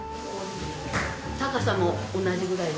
高さも同じぐらいです